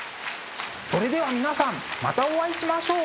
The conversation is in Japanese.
それでは皆さんまたお会いしましょう。